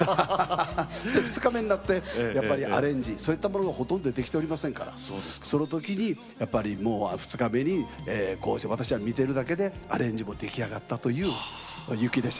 ２日目になってやっぱりアレンジそういったものがほとんどできておりませんからその時にやっぱり２日目に私は見ているだけでアレンジも出来上がったという「雪列車」。